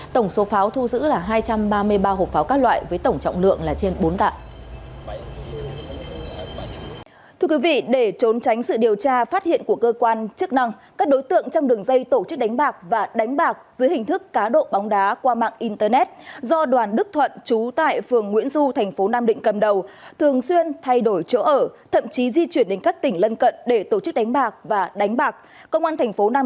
tổng số pháo thu giữ là hai trăm ba mươi ba hộp pháo các loại với tổng trọng lượng là trên bốn tạm